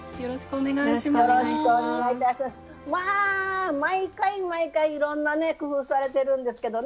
ま毎回毎回いろんなね工夫されてるんですけどね